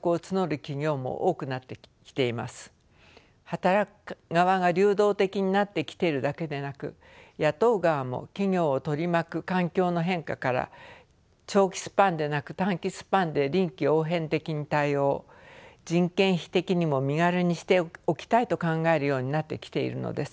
働く側が流動的になってきているだけでなく雇う側も企業を取り巻く環境の変化から長期スパンでなく短期スパンで臨機応変的に対応人件費的にも身軽にしておきたいと考えるようになってきているのです。